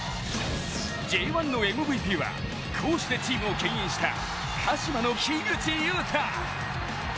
Ｊ１のＭＶＰは攻守でチームをけん引した鹿島の樋口雄太。